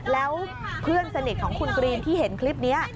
แล้วเพื่อนสนิทของคุณกรีนที่เห็นคลิปนี้